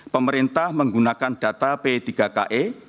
pemerintah menggunakan data p tiga ka